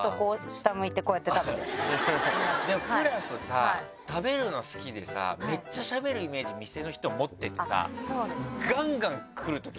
でもプラスさ食べるの好きでさめっちゃしゃべるイメージ店の人持っててさガンガンくるときあるんじゃない？